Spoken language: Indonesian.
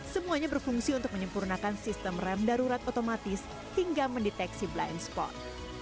semuanya berfungsi untuk menyempurnakan sistem rem darurat otomatis hingga mendeteksi blind spot